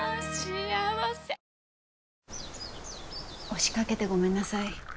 押し掛けてごめんなさい。